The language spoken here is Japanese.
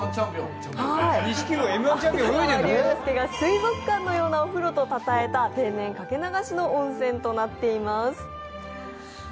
芥川龍之介が水族館のようなお風呂と称えた天然かけ流しの温泉となっています。